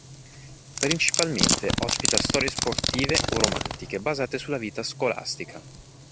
Principalmente ospita storie sportive o romantiche basate sulla vita scolastica.